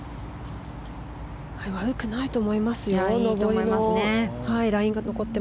悪くないと思いますよ。